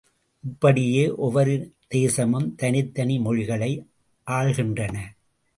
இப்படியே ஒவ்வொரு தேசமும் தனித்தனி மொழிகளை ஆள்கின்றன.